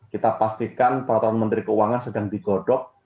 kita pastikan peraturan menteri keuangan sedang digodok